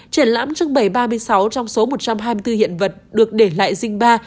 triển lãm trưng bày ba mươi sáu trong số một trăm hai mươi bốn hiện vật được để lại dinh ba